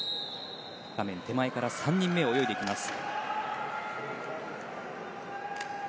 画面手前から３人目を泳いでいきます。